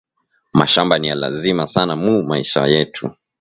Mashamba ni ya lazima sana mu maisha yetu